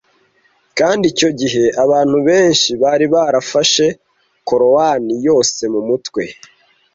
kandi icyo gihe abantu benshi bari barafashe Korowani yose mu mutwe